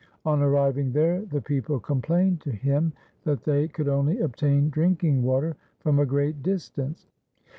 On arriving there the people complained to him that they could only obtain drinking water from a great distance.